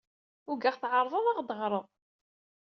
Ugaɣ tɛerḍed ad aɣ-d-teɣred.